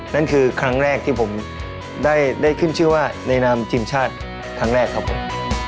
นั่นคือครั้งแรกที่ผมได้ขึ้นชื่อว่าในนามทีมชาติครั้งแรกครับผม